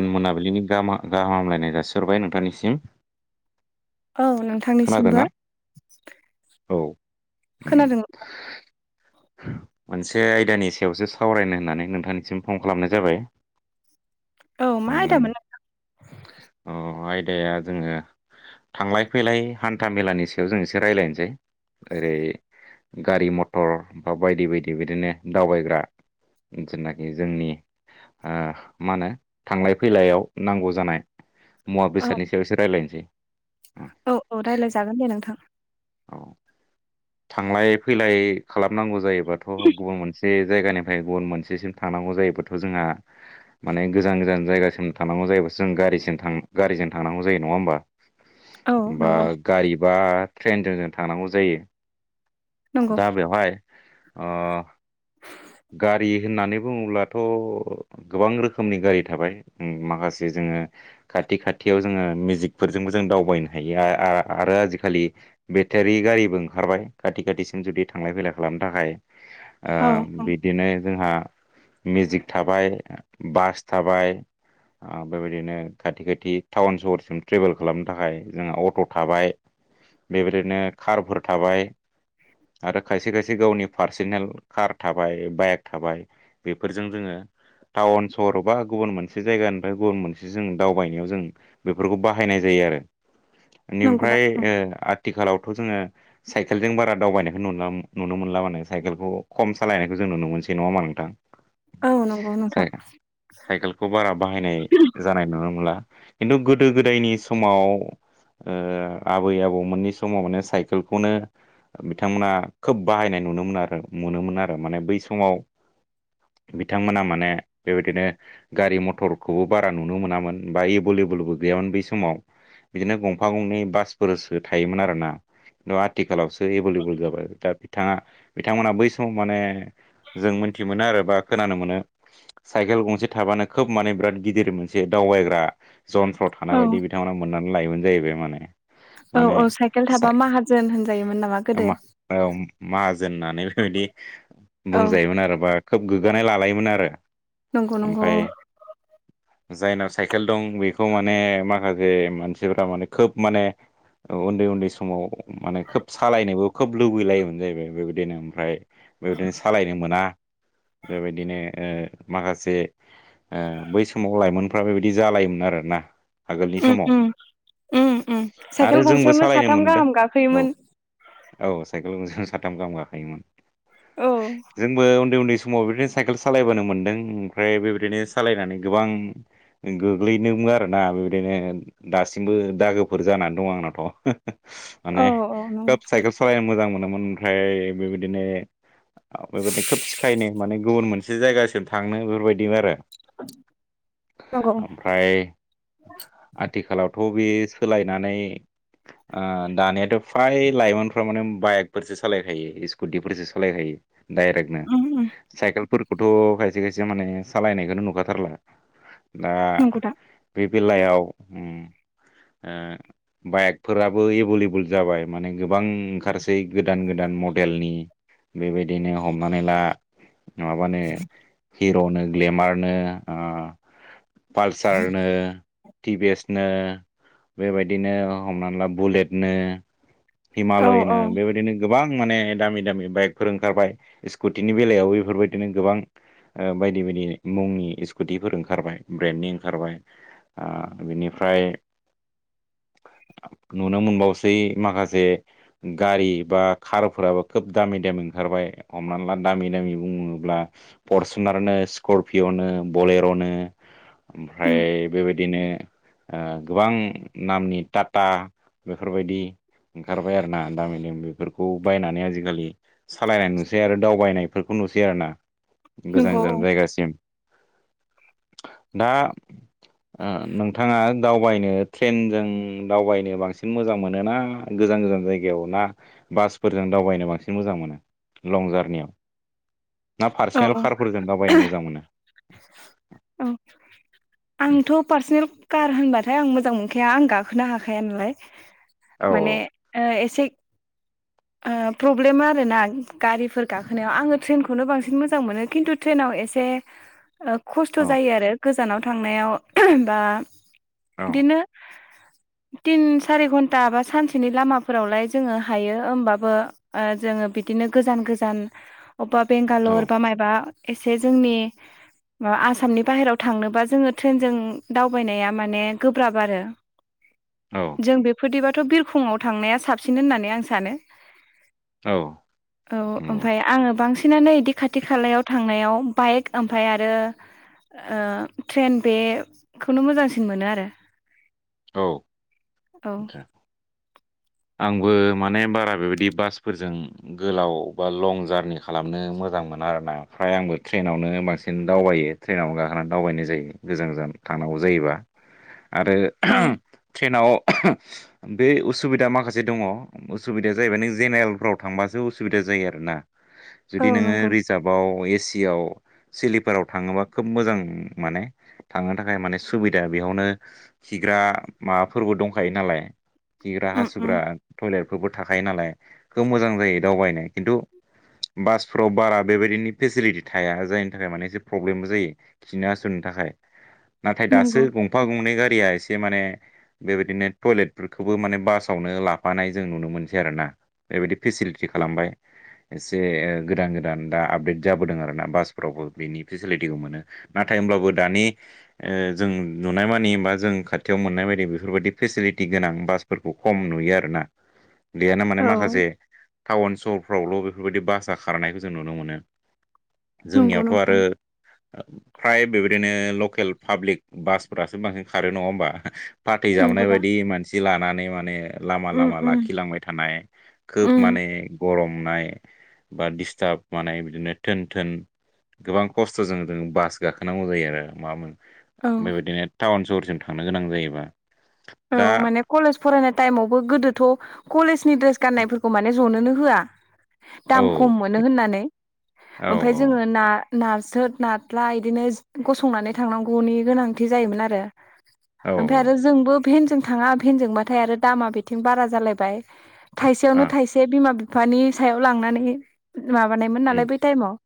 मोन मोनाबिलिनि गाहाम गाहामलायनाय जासिहरबाय नोंथांनिसिम औ नों। खोनादों ना औ। खोनादों। [inaudible] मोनसे आयदानि सायावसो सावरायनो होननानै नोंथांनिसिम फन खालामनाय जाबाय। औ मा उम। आयदामोन अ आयदाया जोङो थांलाय। फैलाय हान्था मेलानि सायाव जों एसे रायज्लायनोसै ओरै। गारि मथर बा बायदि बायदि बिदिनो दावबायग्रा। जनाखि जोंनि। ओ मा होनो थांलाय फैलायाव नांगौ जानाय मुवा औ बेसादनि सायाव एसो रायज्लायनोसै। औ औ रायज्लायजागोन दे नोंथां। औ थांलाय फैलाय खालामनांगौ जायोबाथ' गुबुन मोनसे। जे जायगानिफ्राय गुबुन मोनसेसिम थांनांगौ जायोबथ' जोंहा। माने गोजान गोजान जायगासिम थांनांगौ जायोबासो जों गारिजों थांनांगौ जायो नङा होमबा। औ बा नंगौ गारि बा ट्रेनजों जों थांनांगौ जायो। नंगौ दा बेवहाय अ। गारि होननानै बुङोब्लाथ'। गोबां रोखोमनि गारि थाबाय उम माखासे जोङो। खाथि खाथियाव जोङो मेजिकफोरजोंबो जों दावबायनो हायो आ आ आरो आजिखालि। बेटारि गारिबो ओंखारबाय खाथि खाथिसिम जुदि थांलाय फैलाय खालामनो थाखाय। ओ औ औ। बिदिनो जोंहा मेजिक थाबाय बास थाबाय। बेबायदिनो खाथि खाथि टाउन सहरसिम ट्रेभेल खालामनो थाखाय जोंहा अट' थाबाय। बेबादिनो कारफोर थाबाय आरो खायसे खायसे गावनि पार्सेनेल कार थाबाय बाइक थाबाय बेफोरजों जोङो टाउन सहर बा गुबुन मोनसे जायगानिफ्राय गुबुन मोनसे जों दावबायनायाव जों बेफोरखौ बाहायनाय जायो आरो नंगौ दा बेनिफ्राय औ ओ आ। आथिखालावथ' जोङो साइकेलजों बारा दावबायनायखौ नुन नुनो मोनला माने साइकेलखौ खम सालायनायखौ जों नुनो मोनसै नङा होनबा नोंथां। औ नंगौ नोंथां साइ साइकेलखौ बारा बाहायनाय। जानाय नुनो मोनला खिन्थु गोदो गोदायनि समाव। ओ आबै आबौमोननि समावनो साइकेलखौनो। बिथांमोना खोब बाहायनाय नुनो मोनो आरो नुनोमोन आरो माने बै समाव। बिथांमोना माने बेबायदिनो। गारि मथरखौबो बारा नुनो मोनामोन बा एभेलेबोलबो गैयामोन बै समाव। बिदिनो गंफा गंनै बासफोरसो थायोमोन आरोना। आथिखालावसो एभेलेबल जाबाय दा बिथाङा बिथांमोना बै। बे समाव माने जों मोनथि मोनो आरो बा खोनानो मोनो। साइकेल गंसे थाबानो खोब माने बिराद गिदिर मोनसे दावबायग्रा जन्थ्र औ माबायदि बिथांमोना मोननानै लायोमोन जाहैबाय माने औ माने औ साइकेल थाबा जाय माहाजोन होनजायोमोन नामा गोदो मा औ माहाजोन होननानै बेफोरबायदि औ बुंजायोमोन आरो बा खोब गोग्गानाय लालायोमोन आरो। नंगौ नंगौ ओमफाय औ जायनाव साइकेल दं बेखौ माने माखासे मानसिफ्रा माने खोब माने औ उन्दै उन्दै समाव माने खोब सालायनोबो खोब लुगैलायोमोन जाहैबाय बेबायदिनो। ओमफ्राय बेबायदिनो सालायनो मोना बेबायदिनो ओ माखासे। ओ बै समाव लाइमोनफ्रा बेबायदि जालायोमोन आरोना। आगोलनि उम समाव। उम उम उम साइकेल आरो जोंबो गंसेयावनो सालायनो साथाम मोनदों गाहाम गाखोयोमोन औ। औ साइकेल गंसेयावनो साथाम गाहाम गाखोयोमोन। औ जोंबो उन्दै उन्दै समाव बिदिनो साइकेल सालायबोनो मोनदों ओमफ्राय बेबायदिनो सालायनानै गोबां गोग्लैदोंबो आरोना बेबायदिनो दासिमबो दागोफोर जानानै दं आंनाथ'। औ माने औ नंगौ खोब साइकेल सलायनो मोजां मोनोमोन ओमफ्राय बेबाय दिनो बेबायदि खोब सिखायनो माने गुबुन मोनसे जायगासिम थांनो बेफोरबायदिमोन आरो। नंगौ। ओमफ्राय आथिखालावथ' बे सोलायनानै ओ दानियाथ' फ्राय लाइमोनफ्रा माने बाइकफोरसो सालायखायो। इस गुदिफोरसो सालायखायो डाइरेक्टनो। उम उम साइकेलफोरखौथ' खायसे खायसे माने सालायनायखोनो नुखाथारला। दा नंगौ दा बे बेलायाव उम। ओ बाइकफोराबो एबुलेबुल जाबाय माने गोबां ओंखारसै गोदान गोदान म नि बेबायदिनो हमनानै ला माबानो हिर'नो ग्लेमारनो ओ पालसारनो। टिभिएसनो बेबायदिनो हमना ला बुलेटनो। औ औ हिमालयनो बेबायदिनो गोबां माने दामि दामि बाइकफोर ओंखारबाय स्कुटिनि बेलायावबो इफोरबायदिनो गोबां। ओ बायदि बायदि मुंनि स्कुटिफोर ओंखारबाय ब्रेन्डनि ओंखारबाय। ओ बिनिफ्राय नुनो मोनबावसै माखासे गारि बा कार फोराबो खोब दामि दामि ओंखारबाय‌। हमनानै ला दामि दामि बुङोब्ला फरसुनारनो स्करपिय'नो बलेर'नो। उम ओमफ्राय बेबायदिनो ओ गोबां नामनि टाटा बेफोरबायदि ओंखारबाय आरोना। दामि दामि बेफोरखौ बायनानै आजिखालि सालायनाय नुसै आरो दावबायनायफोरखौ नुसै आरोना। गोजान नंगौ औ गोजान जायगासिम। दा ओ नोंथाङा दावबायनो ट्रेनजों दावबायनो बांसिन मोजां मोनो ना गोजान गोजान जायगायाव ना बास फोरजों दावबायनो बांसिन मोजां मोनो लं जार्नियाव? ना पार्सनेल औ कारफोरजों दावबायनो मोजां मोनो? औ आंथ' पार्सनेल कार होनबाथाय आं मोजां मोनखाया आं गाखोनो हाखाया नालाय। औ माने ओ एसे [inaudible] ओ‌ प्रब्लेम आरोना गारिफोर गाखोनायाव आङो ट्रेनखौनो बांसिन मोजां मोनो। खिन्थु ट्रेनाव एसे ओ खस्थ' औ जायो आरो गोजानाव थांनायाव बा औ बिदिनो [inaudible] तिन सारि घन्टा बा सानसेनि लामाफोरावलाय जोङो हायो होमबाबो जोङो बिदिनो गोजान गोजान अबेबा औ बेंगालर बा माबा एसे जोंनि मा आसाम आसामनि बाहेराव थांनोबा जोङो ट्रेनजों दावबायनाया माने गोब्राब आरो औ। जों बेफोरदिबाथ' बिरखंआव थांनाया साबसिन होननानै आं सानो। औ औ औ नंगौ ओमफ्राय आङो बांसिनानो इदि खाथि खालायाव थांनायाव बाइक ओमफ्राय आरो ओ ट्रेन बे खौनो मोजांसिन मोनो आरो। औ औ। आंबो माने बारा बेबायदि बासफोरजों गोलाव बा लं जारनि खालामनो मोजां मोना आरोना फ्राय आंबो ट्रेनावनो बांसिन दावबायो। ट्रेनाव गाखोनानै दावबायनाय जायो गोजान गोजान थांनांगौ जायोबा। आरो औ ओहम ट्रेनाव अह बे उसुबिदा माखासे माखासे दङ उसुबिदा जायोबा नों जेनेरेलफ्राव थांबासो उसुबिदा जायो आरोना औ जुदि नोङो नंगौ रिजार्भआव एसियाव सिलिपाराव थाङोबा खोब मोजां माने थांनो थाखाय माने सुबिदा बेयावनो खिग्रा माबाफोरबो दंखायो नालाय खिग्रा उम उम हासुग्रा टयलेटफोरबो थाखायो नालाय खोब मोजां जायो दावबायनो खिन्थु बासफोराव बारा बेबायदिनि फेसिलिटि थाया जायनि थाखाय माने एसे प्रब्लेमबो जायो। खिनो हासुनो थाखाय नाथाय दासो नंगौ गंफा गंनै गारिया एसे माने बेबायदिनो टयलेट फोरखौबो माने बास सावनो लाफानाय जों नुनो मोनसै आरोोना बेबायदि फेसिलिटि खालामबाय एसे गोदान गोदान दा आपदेट जाबोदों आरो ना बासफोरावबो बिनि फेसिलिटिखौ मोनो नाथाय होमब्लाबो दानि ओ जों नुनाय मानि बा जों खाथियाव मोननाय बायदि बेफोरबायदि फेसिलिटि गोनां बासफोरखौ खम नुयो आरो ना बेयानो माने औ माखासे टाउन सहर फ्रावल' बेफोरबायदि बासा खारनायखौ जों नुनो मोनो नंगौ जोंनियावथ' नोंथां आरो फ्राय बेबायदिनो लकेल पाब्लिक बासफोरासो बांसिन खारो नङा होमबा फाथै नंगौ जाबनाय दा बायदि मानसि लानानै माने लामा उम लामा उम लाखिलांबाय थानाय खोब उम माने गरमनाय बा दिष्टाब माने बिदिनो थोन थोन गोबां खस्थ' जों जों बास गाखोनांगौ जायो आरो मान औ बेबायदिनो टाउन सहरसिम थांनो गोनां जायोबा औ दा माने कलेज फरायनाय टाइमावबो गोदोथ' कलेजनि ड्रेस गान्नायफोरखौ माने जनोनो होआ औ दाम खम मोनो होननानै औ ओमफ्राय जोङो ना नाथ्रोद नाथ्रा बिदिनो गसंनानै थांनांगौनि गोनांथि जायोमोन आरो औ ओमफ्राय आरो जोंबो भेनजों थाङा भेनजोंबाथाय आरो दामा बिथिं बारा जालायबाय औ थाइसेयावनो ओ थाइसे बिमा बिफानि सायाव लांनानै माबानायमोन उम नालाय बै टाइमाव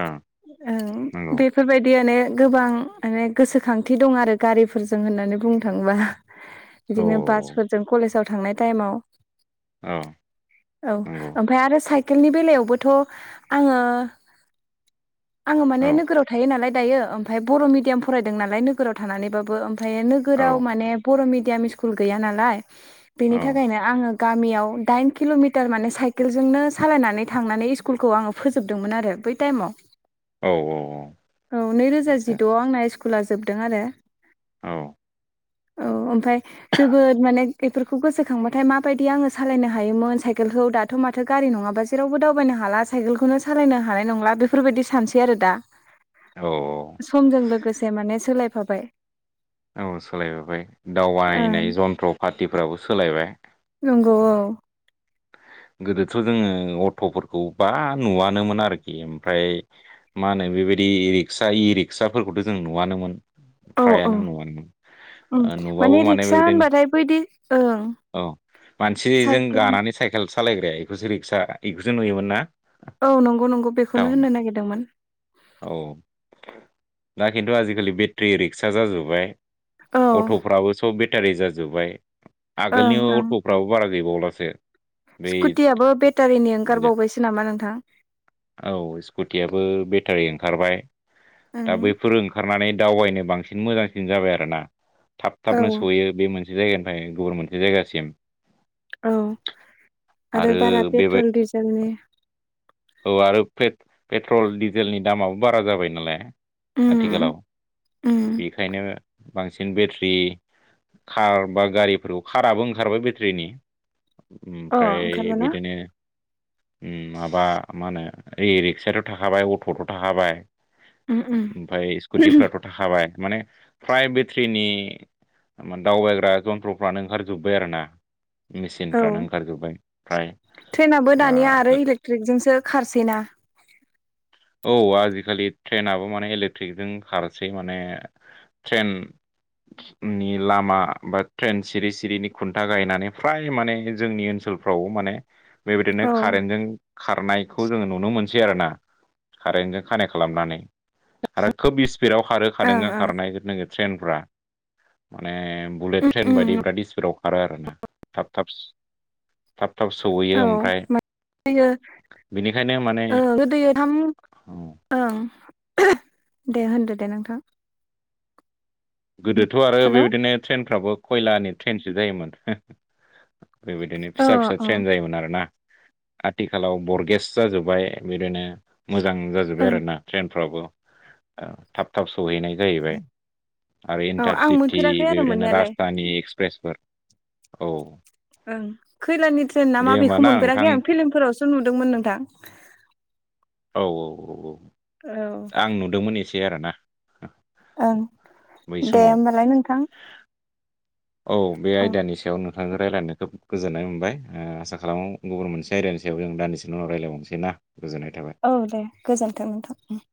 ओ ओं बे नंगौ बेफोरबायदि आने गोबां माने गोसोखांथि दं आरो गारिफोरजों होननानै बुं थांबा औ बिदिनो बासफोरजों कलेजाव थांनाय टाइमाव औ। औ नंगौ ओमफ्राय आरो साइकेलनि बेलायावबोथ' आङो आङो माने औ नोगोराव थायो नालाय दायो ओमफ्राय बर' मिडियाम फरायदों नालाय नोगोराव थानानैबाबो ओमफ्राय औ नोगोराव माने बर' मिडियाम स्कुल गैया नालाय बेनि औ थाखायनो आङो गामियाव दाइन किल'मिटार माने साइकेलजोंनो सालायनानै थांनानै इस कुलखौ आङो फोजोबदोंमोन आरो बै टाइमाव औ औ नैरोजा जिद'आव आंना स्कुला जोबदों आरो औ औ ओमफ्राय जोबोद माने बेफोरखौ गोसोखांबाथाय माबायदि आङो सालायनो हायोमोन साइकेलखौ दाथ' माथो गारि नङाबा जेरावबो दावबायनो हाला। साइकेलखौनो सालायनो हानाय नंला बेफोरबायदि सानसै आरो दा। औ समजों लोगोसे माने सोलायफाबाय औ सोलायबोबाय ओं दावबायनाय जन्थ्र पाथिफ्राबो सोलायबाय नंगौ औ गोदोथ' जोङो अट'फोरखौ बा नुवानोमोन आरोखि ओमफ्राय मा होनो बेबायदि रिक्सा इ रिक्साफोरखौथ' जों नुवानोमोन औ औ फ्रायानो [unintelligible] नुबाबो माने रिक्सा बेबायदिनो होनबाथाय बैदि ओं औ मानसिजों साइकेल गानानै साइकेल सालायग्राया बेखौसो रिक्सा बेखौसो नुयोमोन ना? औ नंगौ नंगौ बेखौनो टाउन होननो नागिरदोंमोन औ दा खिन्थु आजिखालि बेट्रि रिक्सा जाजोब्बाय औ अट'फ्राबो सब बेटारि जाजोब्बाय ओं आगोलनि ओं अट' फोराबो बारा गैबावलासो बै स्कुटियाबो बेटारिनि ओंखारबावबायसो नामा नोंथां? औ स्कुटियाबो बेटारि ओंखारबाय दा ओं बैफोर ओ ओखारनानै दावबायनो बांसिन मोजांसिन जाबाय आरोना थाब औ थाबनो सयो बे मोनसे जायगानिफ्राय गुबुन मोनसे जायगासिम औ आरो बारा पेट्रल डिजेलनि औ आरो पेट्रल डिजेलनि दामाबो बारा जाबाय नालाय उम आथिखालाव उम बेखायनो बांसिन बेट्रि खार बा गारिफोरखौ खाराबो ओंखारबाय बेट्रिनि अ ओमफ्राय ओंखारबायना बिदिनो माबा मा होनो ओ रिक्सायाथ' थाखाबाय अट'थ' थाखाबाय उम उम ओमफ्राय स्कुटिफ्राथ' थाखाबाय माने फ्राय बेट्रिनि माने दावबायग्रा जन्थ्रफ्रानो ओंखारजोब्बाय आरोना? औ मेसिनफ्रानो ओंखारजोब्बाय फ्राया ट्रेक जोंसो खारसैना औ आजिखालि ट्रेनाबो माने इलेक्ट्रिकजों खारसै माने ट्रेन नि लामा बा ट्रेन सिरि सिरिनि खुन्था गायनानै फ्राय माने जोंनि ओनसोल फाव माने बेबायदिनो औ कारेन्टजों खारनाय खौ जोङो नुनो मोनसै आरोोना कारेन्टजों कानेक्ट खालामनानै आरो खोब स्पिडआव खारो ओं खारादों ओं खारनाय नोगो ट्रेनफ्रा माने बुलेट उम ट्रेन बायदि उम बिराद स्पिडाव खारो आरोना थाब थाब थाब थाब सौहैयो ओमफ्राय यो बेनिखायनो माने गोदो थाम ओं दे होनदो दे नोंथां? गोदोथ' आरो हेल' बेबायदिनो ट्रेनफ्राबो खयलानि ट्रेनसो जायोमोन। बेबायदिनो अ फिसा फिसा अ ट्रेन जायोमोन आरोना? आथिखालाव बरगेस जाजोब्बाय बिदिनो मोजां जाजोब्बाय ओं आरोना ट्रेनफ्राबो थाब थाब सहैनाय जाहैबाय। आरो औ आं इन्टारसिटि मोनफेराखै आरो बेबायदिनो मोननायालाय राजथानि एक्सप्रेसफोर औ ओं खैलानि ट्रेेन ना दे मा होमबा बेखौ नोंथां मोनफेराखै आं फिल्मफोरावसो नुदोंमोन नोंथां? औ औ औ औ औ आं नुदोंमोन एसे आरोना? ओं बै दे समाव होमबालाय नोंथां औ बे आयदानि सायाव नु आखजों रायजलायनो खोब गोजोन्नाय मोनबाय आसा खालामो गुबुन मोनसे आयिानि सायाव जों दानसे उनाव रायजलायबनोसै ना गोजोननाय थाबाय औ दे गोजोन्थों नोंथां